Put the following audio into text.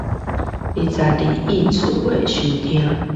二十二億次收聽